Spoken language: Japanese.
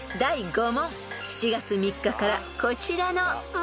［７月３日からこちらの問題］